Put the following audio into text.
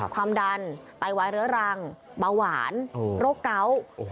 ความดันไตวายเรื้อรังเบาหวานโรคเกาะ